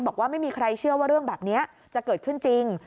บอกว่าไม่มีใครเชื่อว่าเรื่องแบบนี้จะเกิดขึ้นจริง